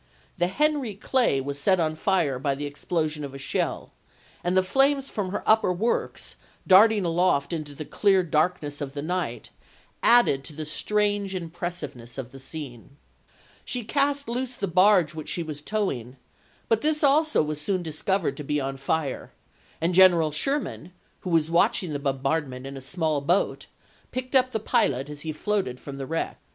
The Henry Clay was set on fire by the explosion of a shell, and the flames from her upper works, darting aloft into the clear darkness of the night, added to the strange im 160 ABKAHAM LINCOLN Chaj\ VI. Badeau, '* Military History of U. 8. Grant." Vol. I., pp. 192, 193. pressiveness of the scene. She cast loose the barge which she was towing, but this also was soon discovered to be on fire ; and General Sherman, who was watching the bombardment in a small boat, picked up the pilot as he floated from the wreck.